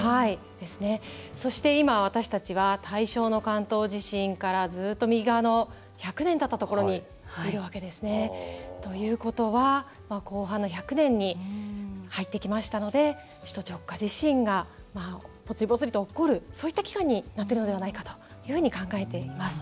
そして、今、私たちは大正の関東地震からずっと右側の１００年たったところにいるわけですね。ということは後半の１００年に入ってきましたので首都直下地震がぽつり、ぽつりと起こるそういった期間になっているのではないかと考えています。